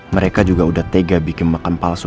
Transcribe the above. mereka juga udah tega bikin makan palsu